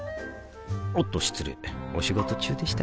おっと失礼お仕事中でしたか